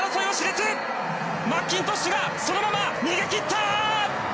マッキントッシュがそのまま逃げ切った！